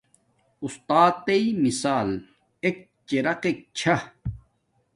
استاتݵ مثال ایک چراغ کے چھا